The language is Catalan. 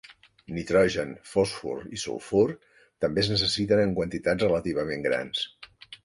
Nitrogen, fòsfor i sulfur també es necessiten en quantitats relativament grans.